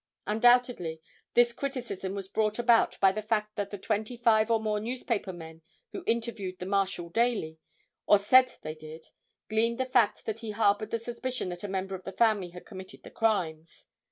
Undoubtedly this criticism was brought about by the fact that the twenty five or more newspaper men who interviewed the Marshal daily, or said they did, gleaned the fact that he harbored the suspicion that a member of the family had committed the crimes.